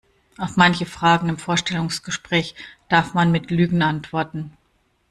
Auf manche Fragen im Vorstellungsgespräch darf man mit Lügen antworten.